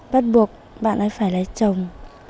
bắt buộc bạn ấy phải lấy chồng